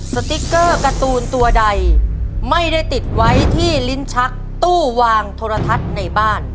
สติ๊กเกอร์การ์ตูนตัวใดไม่ได้ติดไว้ที่ลิ้นชักตู้วางโทรทัศน์ในบ้าน